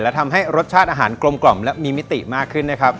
และทำให้รสชาติอาหารกลมกล่อมและมีมิติมากขึ้นนะครับ